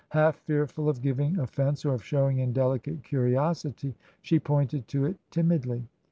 Half fearful of giving offence or of showing indelicate curiosity, she pointed to it timidly.